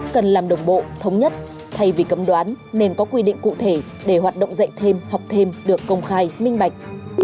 cần làm đồng bộ thống nhất thay vì cấm đoán nên có quy định cụ thể để hoạt động dạy thêm học thêm được công khai minh bạch